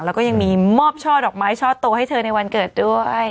แล้วก็ยังมีมอบช่อดอกไม้ช่อโตให้เธอในวันเกิดด้วย